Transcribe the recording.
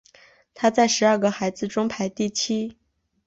他在十二个孩子中排第七。